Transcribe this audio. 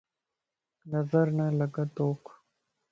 نظر نه لڳ توک